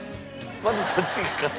まずそっちが勝つ。